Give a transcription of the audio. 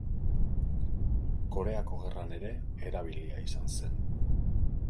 Koreako Gerran ere erabilia izan zen.